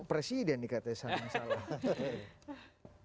presiden nih katanya sama sama